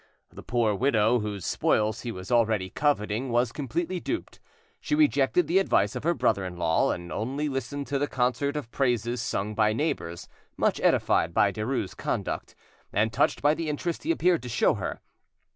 The poor widow, whose spoils he was already coveting, was completely duped. She rejected the advice of her brother in law, and only listened to the concert of praises sung by neighbours much edified by Derues' conduct, and touched by the interest he appeared to show her.